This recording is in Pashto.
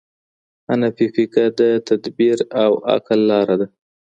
حنفي فقه د تدبیر او عقل لاره ده.